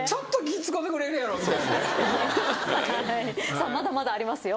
さあまだまだありますよ。